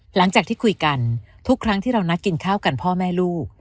หลังจากที่คุยกันทุกครั้งที่เรานัดกินข้าวกันพ่อแม่ลูก